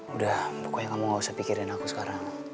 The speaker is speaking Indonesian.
udah pokoknya kamu gak usah pikirin aku sekarang